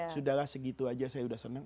sudahlah segitu aja saya sudah senang